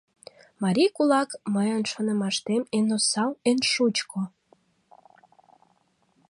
Марий кулак, мыйын шонымаштем, эн осал, эн шучко.